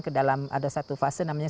ke dalam ada satu fase namanya